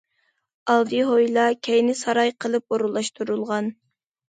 ئالدى ھويلا، كەينى ساراي قىلىپ ئورۇنلاشتۇرۇلغان.